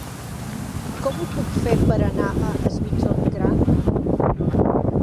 Com ho puc fer per anar a Es Migjorn Gran?